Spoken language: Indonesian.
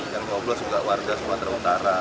yang coblos juga warga sumatera utara